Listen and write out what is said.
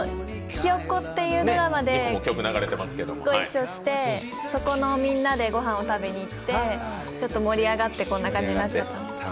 「ひよっこ」というドラマでご一緒してそこのみんなでご飯を食べに行って盛り上がってこんな感じになっちゃいました。